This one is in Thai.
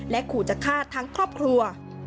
ขู่จะฆ่าทั้งครอบครัว